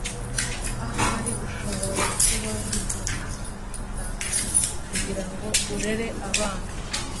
ahari ushobora kuba witeguye kwitanga kugirango urere abana